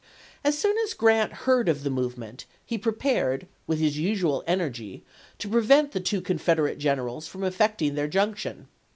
As soon as Grant heard of the movement he pre pared, with his usual energy, to prevent the two Confederate generals from effecting their junction.